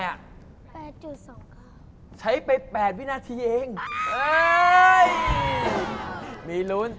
๘๒๙บาทใช้ไป๘วินาทีเองมีรุ้น